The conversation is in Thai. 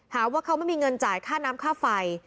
หาว่าเขาไม่มีเงินจ่ายค่าน้ำค่าไฟ